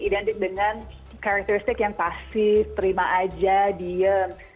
identik dengan karakteristik yang pasif terima aja diem